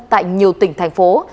tại nhiều tỉnh thành phố